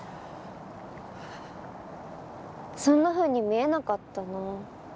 そんなふうに見えなかったな。